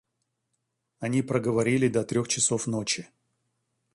Они проговорили до трех часов ночи.